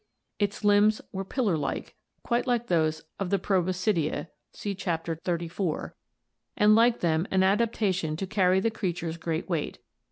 Its limbs were pillar like, quite like those of the Proboscidea (see Chapter XXXIV) and like them an adaptation to carry the creature's great weight.